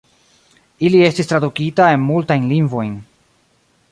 Ili estis tradukita en multajn lingvojn.